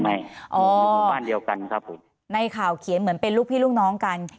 อยู่หมู่บ้านเดียวกันครับผมในข่าวเขียนเหมือนเป็นลูกพี่ลูกน้องกัน